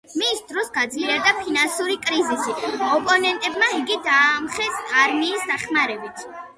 მის დროს გაძლიერდა ფინანსური კრიზისი, ოპონენტებმა იგი დაამხეს არმიის დახმარებით.